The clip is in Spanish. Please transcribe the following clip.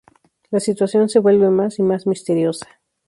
La situación se vuelve más y más misteriosa.